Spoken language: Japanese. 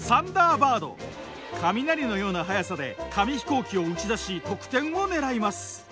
雷のような速さで紙飛行機を打ち出し得点を狙います。